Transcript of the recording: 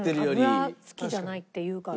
脂好きじゃないって言うから。